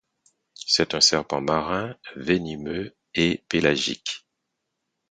C'est un serpent marin venimeux et pélagique.